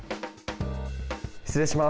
失礼します。